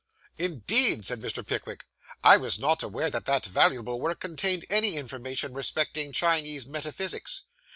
'Indeed!' said Mr. Pickwick; 'I was not aware that that valuable work contained any information respecting Chinese metaphysics.